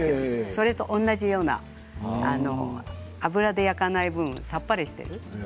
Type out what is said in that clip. それと同じような油で焼かない分さっぱりしています。